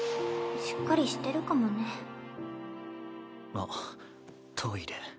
あっトイレ。